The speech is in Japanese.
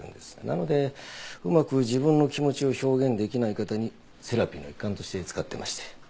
なのでうまく自分の気持ちを表現できない方にセラピーの一環として使ってまして。